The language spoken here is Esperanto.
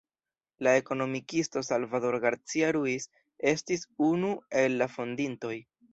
La ekonomikisto Salvador Garcia-Ruiz estis unu el la fondintoj.